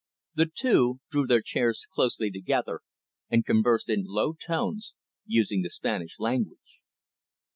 The two drew their chairs closely together, and conversed in low tones, using the Spanish language.